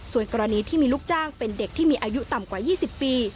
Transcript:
ส่วนกรณีที่มีลูกจ้างเป็นเด็กที่มีอายุต่ำกว่า๒๐ปี